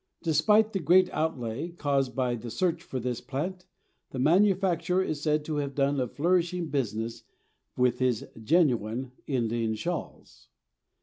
Despite the great outlay caused by the search for this plant, the manufacturer is said to have done a flourishing business with his "genuine" Indian shawls.